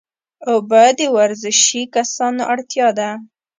اوبه د ورزشي کسانو اړتیا ده